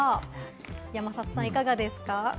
山里さん、いかがですか？